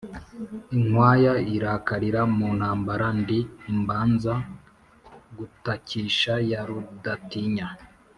inkwaya irakalira mu ntambara ndi imbanza gutakisha ya Rudatinya,